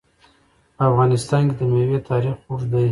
په افغانستان کې د مېوې تاریخ اوږد دی.